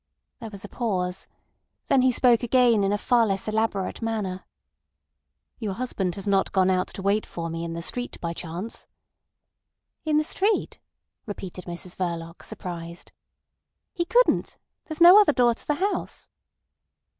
There was a pause. Then he spoke again, in a far less elaborate manner. "Your husband has not gone out to wait for me in the street by chance?" "In the street!" repeated Mrs Verloc, surprised. "He couldn't. There's no other door to the house."